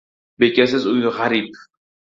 • Bekasiz uy g‘arib.